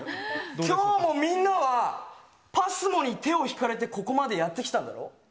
きょうもみんなは、ＰＡＳＭＯに手を引かれてここまでやって来たんだろ？